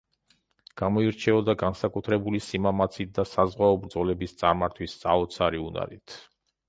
გამოირჩეოდა განსაკუთრებული სიმამაცით და საზღვაო ბრძოლების წარმართვის საოცარი უნარით.